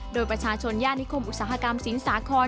โดยประชาชนย่านนิคมอุตสาหกรรมสินสาคร